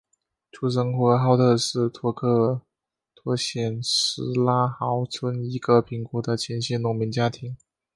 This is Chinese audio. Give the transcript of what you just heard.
出生于呼和浩特市托克托县什拉毫村一个贫苦的秦姓农民家庭。